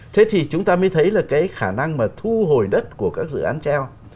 thế thì chúng ta mới thấy là cái khả năng mà thu hồi đất của các dự án treo